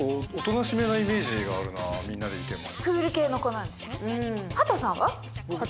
みんなでいても。